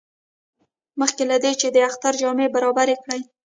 مخکې له دې چې د اختر جامې برابرې کړي.